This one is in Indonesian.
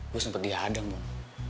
gue sempet dihadang mon